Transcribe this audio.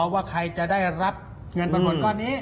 อ๋อว่าใครจะได้รับเงินปันผลก่อนนี้